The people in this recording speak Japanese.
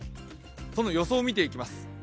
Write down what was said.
その予想を見ていきます。